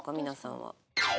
皆さんは。